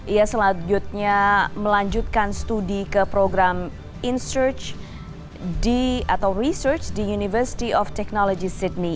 ia selanjutnya melanjutkan studi ke program insearch atau research di university of technology sydney